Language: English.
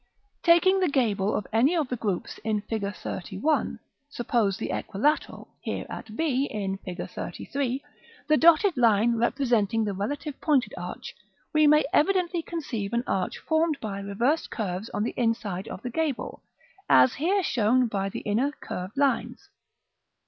Taking the gable of any of the groups in Fig. XXXI. (suppose the equilateral), here at b, in Fig. XXXIII., the dotted line representing the relative pointed arch, we may evidently conceive an arch formed by reversed curves on the inside of the gable, as here shown by the inner curved lines.